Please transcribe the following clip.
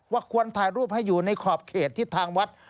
ควรถ่ายรูปให้อยู่ในขอบเขตที่ทางวัด